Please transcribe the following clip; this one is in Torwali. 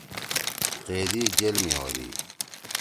قیدی جیل می ہودی۔